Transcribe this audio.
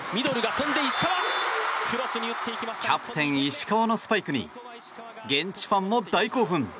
キャプテン石川のスパイクに現地ファンも大興奮。